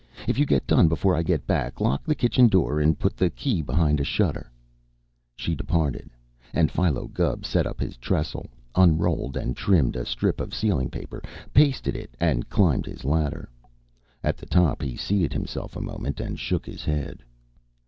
If you get done before I get back, lock the kitchen door and put the key behind a shutter." She departed, and Philo Gubb set up his trestle, unrolled and trimmed a strip of ceiling paper, pasted it, and climbed his ladder. At the top he seated himself a moment and shook his head.